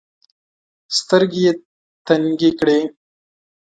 سترګي یې تنګي کړې .